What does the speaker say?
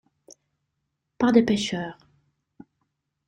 —Pas des pêcheurs.